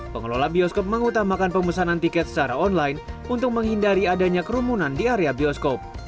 pengelola bioskop mengutamakan pemesanan tiket secara online untuk menghindari adanya kerumunan di area bioskop